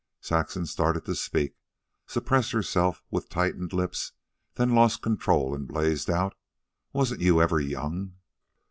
Saxon started to speak, suppressed herself with tightened lips, then lost control and blazed out. "Wasn't you ever young?"